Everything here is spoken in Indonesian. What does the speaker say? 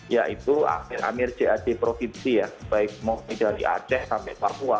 yaitu amir amir jad provinsi ya baik dari aceh sampai papua